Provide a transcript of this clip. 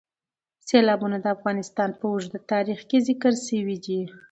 سیلابونه د افغانستان په اوږده تاریخ کې ذکر شوی دی.